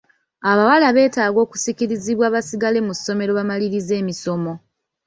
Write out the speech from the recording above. Abawala beetaaga okusikirizibwa basigale mu ssomero bamalirize emisomo.